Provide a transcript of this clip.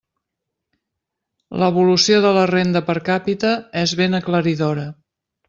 L'evolució de la renda per càpita és ben aclaridora.